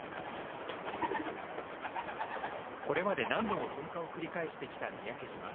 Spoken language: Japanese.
これまで何度も噴火を繰り返してきた三宅島。